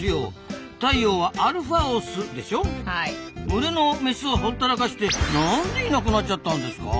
群れのメスをほったらかして何でいなくなっちゃったんですか？